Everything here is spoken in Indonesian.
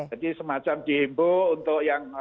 jadi semacam dihimbau untuk yang